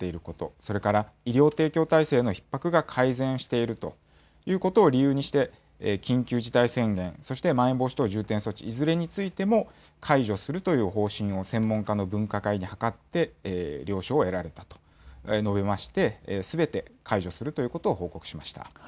それから医療提供体制のひっ迫が改善しているということを理由にして、緊急事態宣言、そしてまん延防止等重点措置、いずれについても解除するという方針を、専門家の分科会に諮って、了承を得られたと述べまして、すべて解除するということを報告しました。